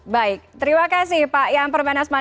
baik terima kasih pak yang permanesman